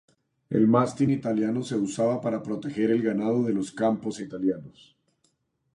El Mastín italiano se usaba para proteger el ganado de los campos italianos.